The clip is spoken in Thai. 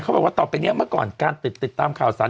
บอกว่าต่อไปนี้เมื่อก่อนการติดตามข่าวสาร